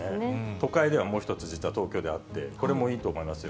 都会ではもう一つ、実は東京ではあって、これもいいと思いますよ。